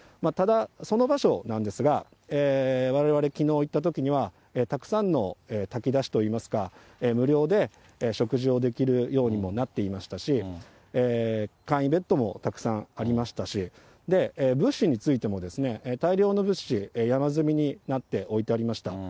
ただ、その場所なんですが、われわれ、きのう行ったときには、たくさんの炊き出しといいますか、無料で食事をできるようにもなっていましたし、簡易ベッドもたくさんありましたし、物資についても、大量の物資、山積みになって置いてありました。